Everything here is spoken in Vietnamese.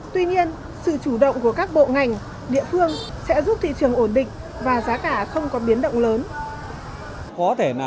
tuy nhiên sự chủ động của các bộ ngành địa phương sẽ giúp thị trường ổn định và giá cả không có biến động lớn